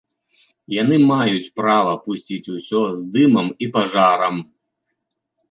Яны маюць права пусціць усё з дымам і пажарам.